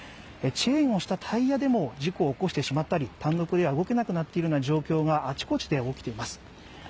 チェーンをしたタイヤでも事故を起こしてしまったり、単独で動けなくなっているような状況があちこちで起きています。